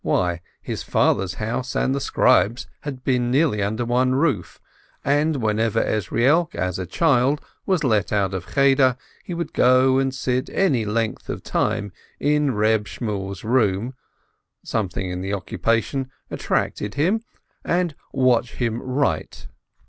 Why, his father's house and the scribe's had been nearly under one roof, and whenever Ezrielk, as a child, was let out of Cheder, he would go and sit any length of time in Reb Shmuel's room (something in the occupation attracted him) and watch him write.